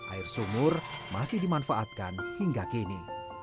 air sumur masih dimanfaatkan hingga kini